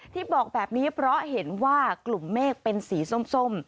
ที่บอกแบบนี้เพราะเห็นว่ากลุ่มเมฆเป็นสีส้ม